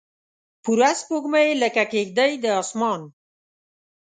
پوره سپوږمۍ لکه کیږدۍ د اسمان